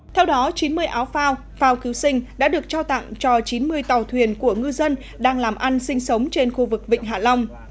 theo đó chín mươi áo phao phao cứu sinh đã được trao tặng cho chín mươi tàu thuyền của ngư dân đang làm ăn sinh sống trên khu vực vịnh hạ long